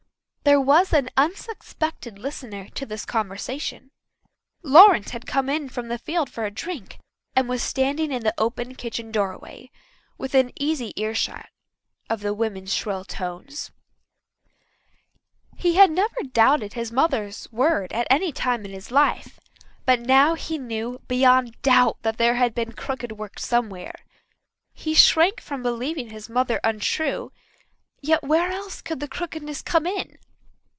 There was an unsuspected listener to this conversation. Lawrence had come in from the field for a drink, and was standing in the open kitchen doorway, within easy earshot of the women's shrill tones. He had never doubted his mother's word at any time in his life, but now he knew beyond doubt that there had been crooked work somewhere. He shrank from believing his mother untrue, yet where else could the crookedness come in?